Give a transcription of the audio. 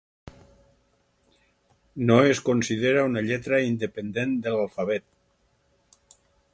No es considera una lletra independent de l'alfabet.